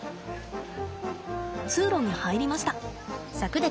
通路に入りました。